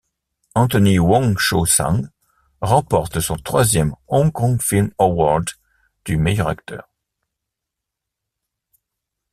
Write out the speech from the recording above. Anthony Wong Chau-sang remporte son troisième Hong Kong Film Award du meilleur acteur.